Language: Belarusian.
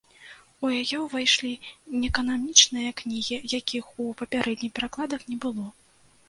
У яе ўвайшлі і некананічныя кнігі, якіх у папярэдніх перакладах не было.